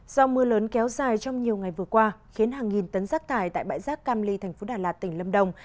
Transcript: do mưa lớn kéo dài trong nhiều ngày vừa qua khiến hàng nghìn tấn rác thải tại bãi rác cam ly thành phố đà lạt tỉnh lâm đồng